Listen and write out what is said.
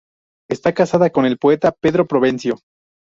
Está casada con el poeta Pedro Provencio.